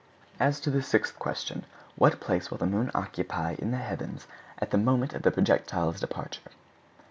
As to the sixth question, "What place will the moon occupy in the heavens at the moment of the projectile's departure?"